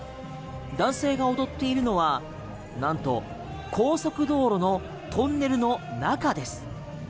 男性が踊っているのはなんと高速道路のトンネルの中です。